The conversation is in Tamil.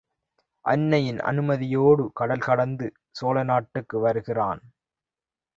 அன்னையின் அனுமதியோடு கடல் கடந்து சோழ நாட்டுக்கு வருகிறான்.